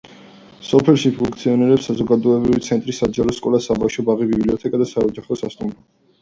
სოფელში ფუნქციონირებს საზოგადოებრივი ცენტრი, საჯარო სკოლა, საბავშვო ბაღი, ბიბლიოთეკა და საოჯახო სასტუმრო.